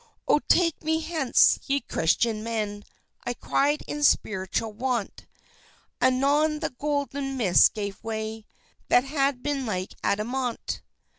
"Oh, take me hence, ye Christian men!" I cried in spiritual want; Anon the Golden Mist gave way, That had been like adamant.